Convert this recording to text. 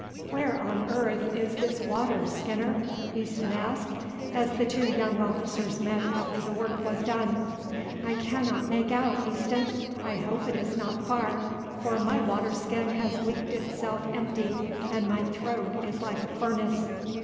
"Where on earth is this water, Skinner?" Easton asked as the two young officers met after the work was done. "I cannot make out, Easton. I hope it is not far, for my water skin has leaked itself empty and my throat is like a furnace."